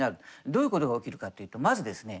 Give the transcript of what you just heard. どういうことが起きるかっていうとまずですね